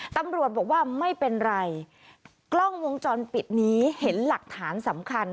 ตำรวจบอกว่าไม่เป็นไรกล้องวงจรปิดนี้เห็นหลักฐานสำคัญ